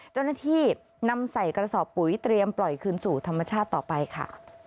เจ้าหน้าที่นำใส่กระสอบปุ๋ยเตรียมปล่อยคืนสู่ธรรมชาติต่อไปค่ะ